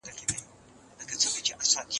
ده د مسؤليت وېش عادلانه ترسره کړ.